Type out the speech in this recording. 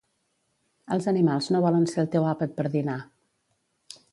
Els animals no volen ser el teu àpat per dinar